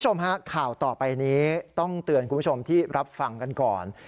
คุณผู้ชมฮะข่าวต่อไปนี้ต้องเตือนคุณผู้ชมที่รับฟังกันก่อน